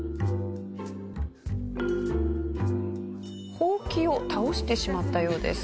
ホウキを倒してしまったようです。